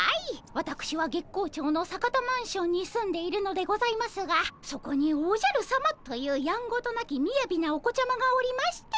わたくしは月光町の坂田マンションに住んでいるのでございますがそこにおじゃるさまというやんごとなきみやびなお子ちゃまがおりまして。